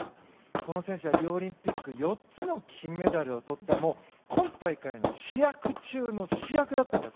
この選手はリオオリンピック４つの金メダルをとった今大会の主役中の主役だったんです。